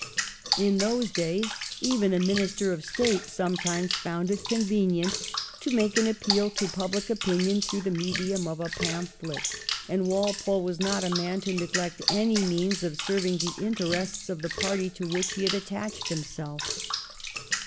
In those days even a Minister of State sometimes found it convenient to make an appeal to public opinion through the medium of a pamphlet, and Walpole was not a man to neglect any means of serving the interests of the party to which he had 1710 11 WALPOLE'S SACHEVERELL PAMPHLET. 223 attached himself.